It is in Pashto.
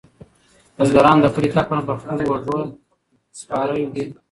بزګران د پلي تګ پر مهال په خپلو اوږو سپارې وړي.